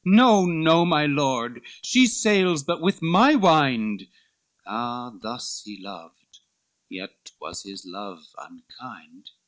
No, no, my Lord, she sails but with my wind." Ah, thus he loved, yet was his love unkind!